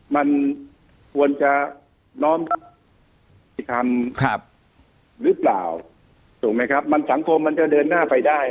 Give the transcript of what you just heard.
มันควรจะน้อมรับกี่คำหรือเปล่าถูกไหมครับมันสังคมมันจะเดินหน้าไปได้